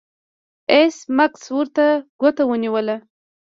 ایس میکس ورته ګوته ونیوله